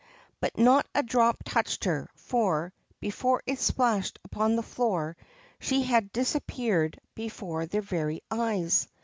But not a drop touched her, for, before it splashed upon the floor, she had disappeared before their very eyes.